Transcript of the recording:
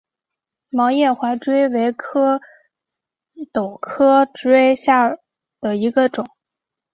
毛叶杯锥为壳斗科锥属下的一个种。